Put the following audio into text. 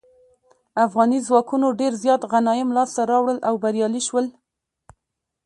افغاني ځواکونو ډیر زیات غنایم لاسته راوړل او بریالي شول.